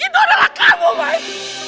itu adalah kamu mai